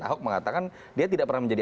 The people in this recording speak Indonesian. ahok mengatakan dia tidak pernah menjadi